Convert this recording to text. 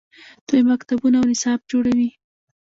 دوی مکتبونه او نصاب جوړوي.